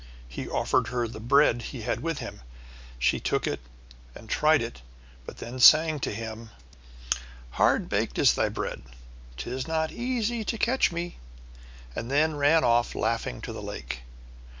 He offered her the bread he had with him, and she took it and tried it, but then sang to him: "Hard baked is thy bread, 'Tis not easy to catch me," and then ran off laughing to the lake.